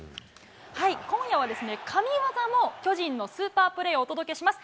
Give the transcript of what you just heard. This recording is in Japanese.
今夜は神技も巨人のスーパープレーをお届けします。